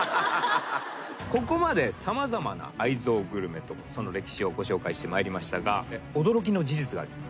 ここまで様々な愛憎グルメとその歴史をご紹介してまいりましたが驚きの事実があります